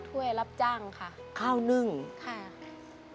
คุณหมอบอกว่าเอาไปพักฟื้นที่บ้านได้แล้ว